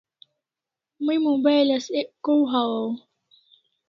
May mobile as ek kaw hawaw